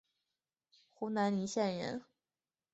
湖南澧县人。